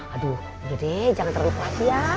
aduh udah deh jangan terlalu perhatian